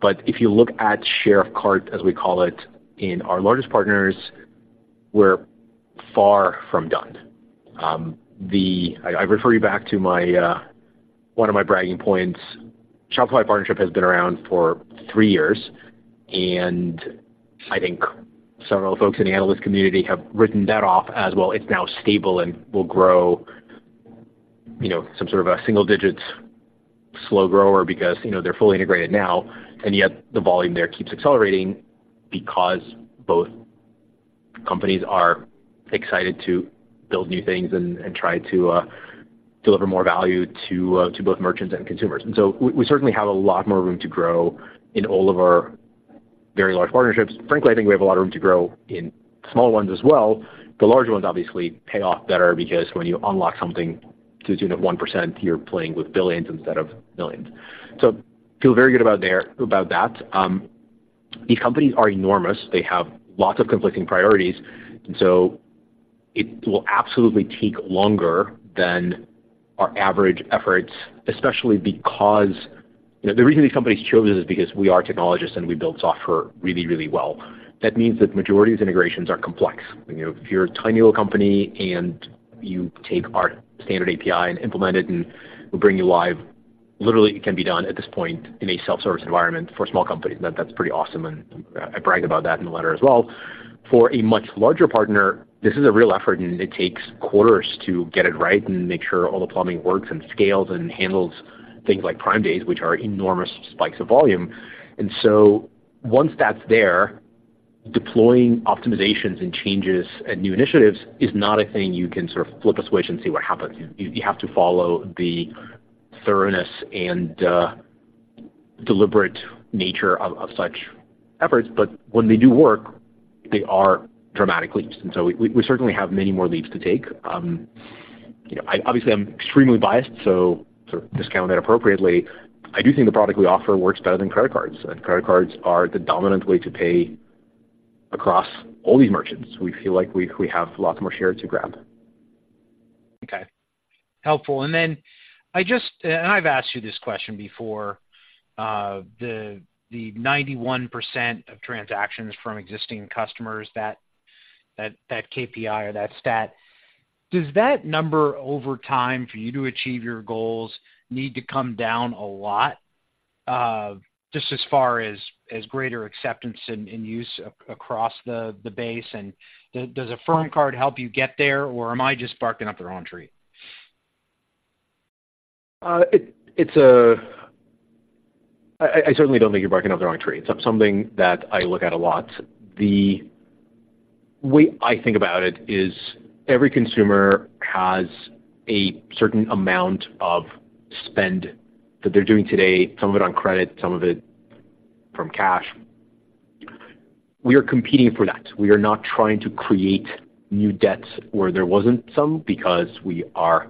[SPEAKER 3] But if you look at share of cart, as we call it, in our largest partners, we're far from done. I refer you back to my one of my bragging points. Shopify partnership has been around for three years, and I think several folks in the analyst community have written that off as well. It's now stable and will grow, you know, some sort of a single digits slow grower because, you know, they're fully integrated now, and yet the volume there keeps accelerating because both companies are excited to build new things and try to deliver more value to both merchants and consumers. We certainly have a lot more room to grow in all of our very large partnerships. Frankly, I think we have a lot of room to grow in small ones as well. The larger ones obviously pay off better because when you unlock something to the tune of 1%, you're playing with billions instead of millions. So feel very good about there, about that. These companies are enormous. They have lots of conflicting priorities, and so it will absolutely take longer than our average efforts, especially because the reason these companies chose us is because we are technologists, and we build software really, really well. That means that majority of integrations are complex. You know, if you're a tiny little company, and you take our standard API and implement it, and we'll bring you live, literally, it can be done at this point in a self-service environment for small companies. That's pretty awesome, and I brag about that in the letter as well. For a much larger partner, this is a real effort, and it takes quarters to get it right and make sure all the plumbing works and scales and handles things like Prime Days, which are enormous spikes of volume. And so once that's there, deploying optimizations and changes and new initiatives is not a thing you can sort of flip a switch and see what happens. You have to follow the thoroughness and deliberate nature of such efforts, but when they do work, they are dramatic leaps, and so we certainly have many more leaps to take. You know, I obviously I'm extremely biased, so sort of discount that appropriately. I do think the product we offer works better than credit cards, and credit cards are the dominant way to pay across all these merchants. We feel like we have lots more share to grab.
[SPEAKER 13] Okay. Helpful. And then I just, and I've asked you this question before, the 91% of transactions from existing customers, that KPI or that stat, does that number over time for you to achieve your goals need to come down a lot, just as far as greater acceptance and use across the base? And does Affirm Card help you get there, or am I just barking up the wrong tree?
[SPEAKER 3] I certainly don't think you're barking up the wrong tree. It's something that I look at a lot. The way I think about it is every consumer has a certain amount of spend that they're doing today, some of it on credit, some of it from cash. We are competing for that. We are not trying to create new debts where there wasn't some, because we are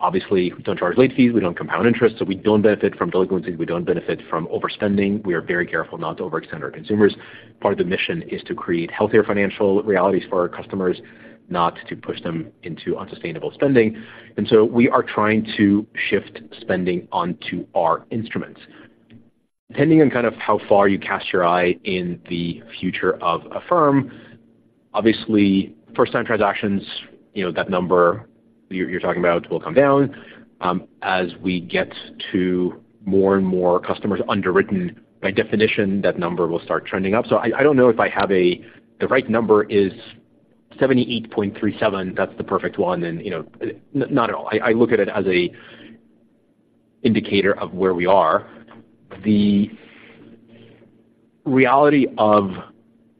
[SPEAKER 3] obviously, we don't charge late fees, we don't compound interest, so we don't benefit from delinquencies, we don't benefit from overspending. We are very careful not to overextend our consumers. Part of the mission is to create healthier financial realities for our customers, not to push them into unsustainable spending, and so we are trying to shift spending onto our instruments. Depending on kind of how far you cast your eye in the future of Affirm, obviously, first-time transactions, you know, that number you're talking about will come down. As we get to more and more customers underwritten, by definition, that number will start trending up. So I don't know if I have a, "The right number is 78.37," that's the perfect one and, you know, not at all. I look at it as a indicator of where we are. The reality of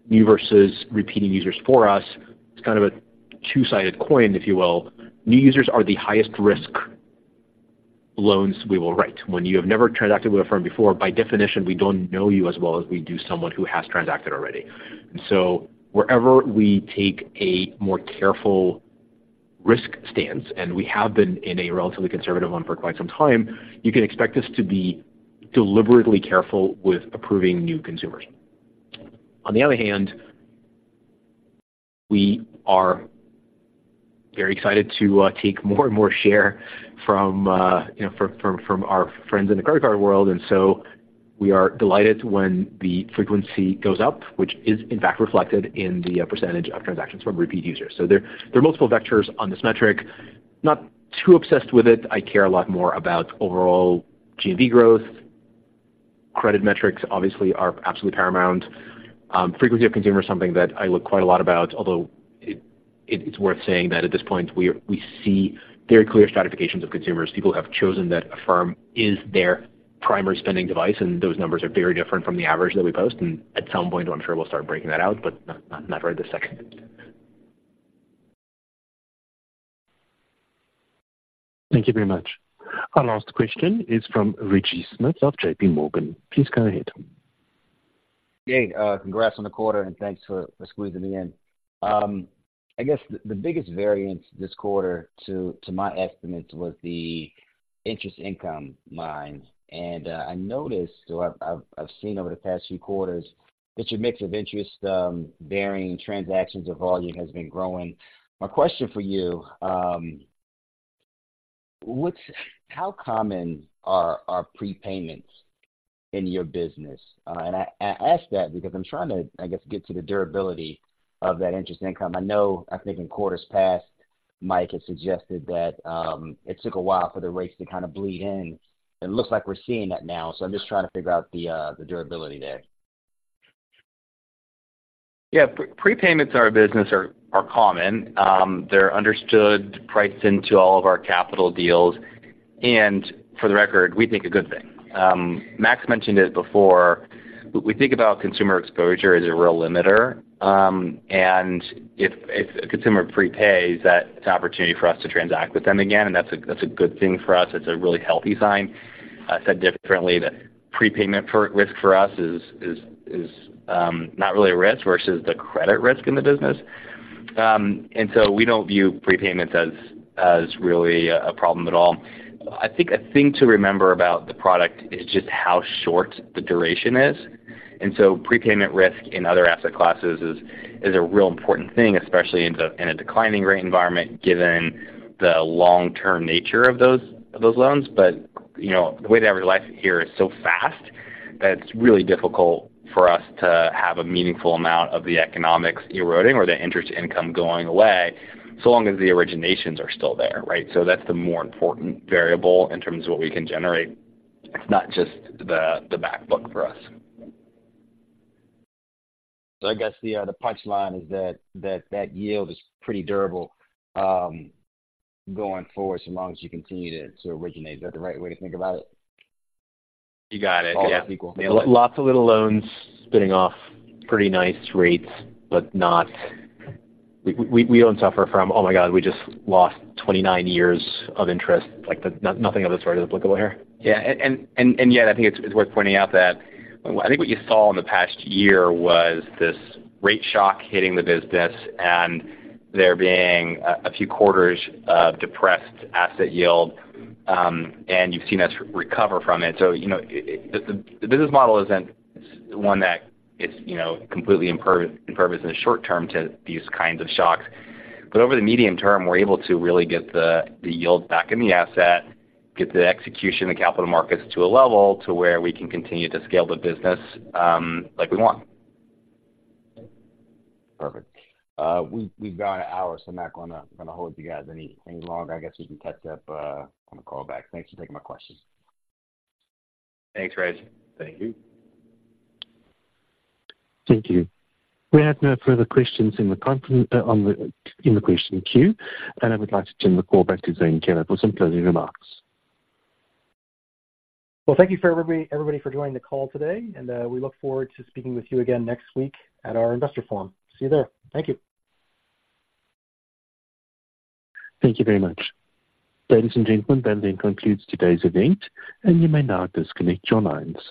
[SPEAKER 3] new versus repeating users for us, it's kind of a two-sided coin, if you will. New users are the highest risk loans we will write. When you have never transacted with Affirm before, by definition, we don't know you as well as we do someone who has transacted already. So wherever we take a more careful risk stance, and we have been in a relatively conservative one for quite some time, you can expect us to be deliberately careful with approving new consumers. On the other hand, we are very excited to take more and more share from, you know, from our friends in the credit card world, and so we are delighted when the frequency goes up, which is in fact reflected in the percentage of transactions from repeat users. So there are multiple vectors on this metric. Not too obsessed with it. I care a lot more about overall GMV growth. Credit metrics obviously are absolutely paramount. Frequency of consumer is something that I look quite a lot about, although it's worth saying that at this point, we see very clear stratifications of consumers. People have chosen that Affirm is their primary spending device, and those numbers are very different from the average that we post. And at some point, I'm sure we'll start breaking that out, but not, not, not right this second.
[SPEAKER 1] Thank you very much. Our last question is from Reginald Smith of JPMorgan. Please go ahead.
[SPEAKER 14] Hey, congrats on the quarter, and thanks for squeezing me in. I guess the biggest variance this quarter to my estimate was the interest income line. I noticed or I've seen over the past few quarters that your mix of interest-bearing transactions of volume has been growing. My question for you, what's how common are prepayments in your business? I ask that because I'm trying to, I guess, get to the durability of that interest income. I know, I think in quarters past, Mike has suggested that it took a while for the rates to kind of bleed in. It looks like we're seeing that now, so I'm just trying to figure out the durability there.
[SPEAKER 5] Yeah. Prepayments in our business are common. They're understood, priced into all of our capital deals, and for the record, we think a good thing. Max mentioned it before, we think about consumer exposure as a real limiter. If a consumer prepays, that's an opportunity for us to transact with them again, and that's a good thing for us. It's a really healthy sign. Said differently, the prepayment risk for us is not really a risk versus the credit risk in the business. So we don't view prepayments as really a problem at all. I think a thing to remember about the product is just how short the duration is. So prepayment risk in other asset classes is a real important thing, especially in a declining rate environment, given the long-term nature of those loans. But, you know, the way they realize it here is so fast that it's really difficult for us to have a meaningful amount of the economics eroding or the interest income going away, so long as the originations are still there, right? So that's the more important variable in terms of what we can generate. It's not just the back book for us.
[SPEAKER 14] So I guess the punchline is that yield is pretty durable, going forward, so long as you continue to originate. Is that the right way to think about it?
[SPEAKER 5] You got it.
[SPEAKER 14] All people-
[SPEAKER 3] Lots of little loans spinning off pretty nice rates, but not... We don't suffer from, "Oh, my God, we just lost 29 years of interest." Like, nothing of the sort is applicable here.
[SPEAKER 5] Yeah, and yet I think it's worth pointing out that I think what you saw in the past year was this rate shock hitting the business and there being a few quarters of depressed asset yield, and you've seen us recover from it. So, you know, it... the business model isn't one that is, you know, completely impervious in the short term to these kinds of shocks. But over the medium term, we're able to really get the yield back in the asset, get the execution, the capital markets to a level to where we can continue to scale the business, like we want.
[SPEAKER 14] Perfect. We've gone an hour, so I'm not gonna hold you guys anything long. I guess we can catch up on the call back. Thanks for taking my questions.
[SPEAKER 5] Thanks, Reg.
[SPEAKER 1] Thank you. Thank you. We have no further questions in the question queue, and I would like to turn the call back to Zane Keller for some closing remarks.
[SPEAKER 2] Well, thank you for everybody, everybody for joining the call today, and we look forward to speaking with you again next week at our investor forum. See you there. Thank you.
[SPEAKER 1] Thank you very much. Ladies and gentlemen, that then concludes today's event, and you may now disconnect your lines.